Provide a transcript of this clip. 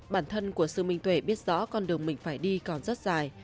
bản thân của sư minh tuệ biết rõ con đường mình phải đi còn rất dài